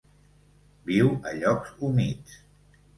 Viu a llocs humits.